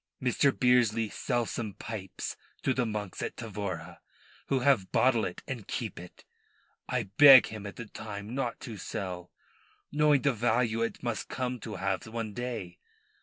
Mr. Bearsley sell some pipes to the monks at Tavora, who have bottle it and keep it. I beg him at the time not to sell, knowing the value it must come to have one day.